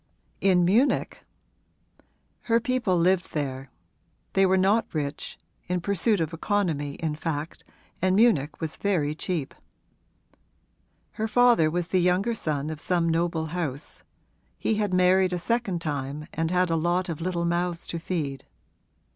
'In Munich?' 'Her people lived there; they were not rich in pursuit of economy in fact, and Munich was very cheap. Her father was the younger son of some noble house; he had married a second time and had a lot of little mouths to feed.